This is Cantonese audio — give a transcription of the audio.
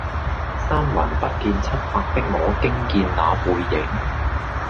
三魂不見七魄的我驚見那背影